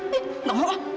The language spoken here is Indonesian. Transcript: hai ngga mau ah